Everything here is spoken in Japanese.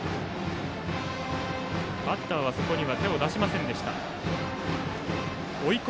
バッターはそこには手を出しませんでした。